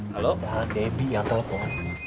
halo pak debbie yang telpon